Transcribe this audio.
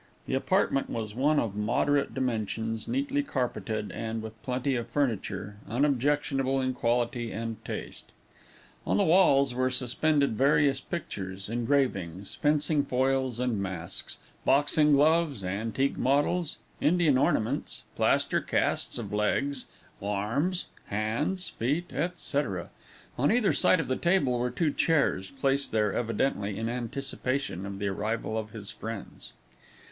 The apartment was one of moderate dimensions, neatly carpeted, and, with plenty of furniture, unobjectionable in quality and taste. On the walls were suspended various pictures, engravings, fencing foils, and masks, boxing gloves, antique models, Indian ornaments, plaster casts of legs, arms, hands, feet, &c. On either side of the table were two chairs, placed there, evidently, in anticipation of the arrival of his friends.